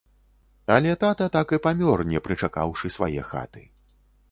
Але тата так і памёр, не прычакаўшы свае хаты.